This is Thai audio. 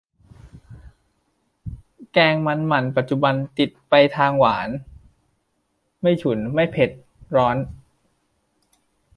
แกงมันหมั่นปัจจุบัน ติดไปทางหวาน ไม่ฉุน ไม่เผ็ดร้อน